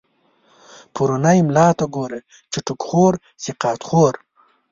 پرونی ملا ته گوره، چی ټوک خورو سقاط خورو